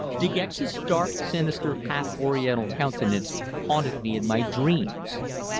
De Gex's dark, sinister, half Oriental countenance haunted me in my dreams.